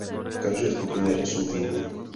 V každé skupině je osm týmů.